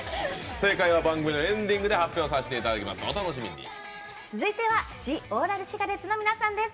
正解は番組のエンディングで発表させていただきます。